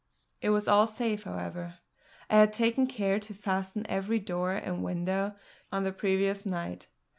It was all safe, however; I had taken care to fasten every door and window on the previous night.